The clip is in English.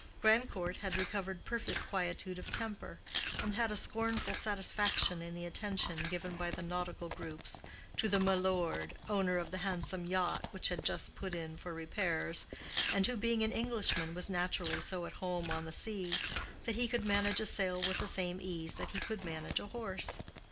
Grandcourt had recovered perfect quietude of temper, and had a scornful satisfaction in the attention given by the nautical groups to the milord, owner of the handsome yacht which had just put in for repairs, and who being an Englishman was naturally so at home on the sea that he could manage a sail with the same ease that he could manage a horse.